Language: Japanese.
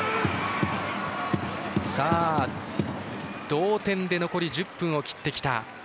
同点で残り１０分を切ってきた。